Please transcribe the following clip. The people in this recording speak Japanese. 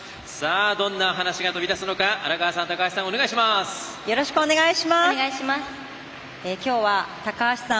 どんなお話が飛び出すのか荒川さん、高橋さん